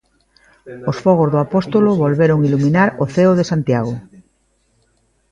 Os fogos do Apóstolo volveron iluminar o ceo de Santiago.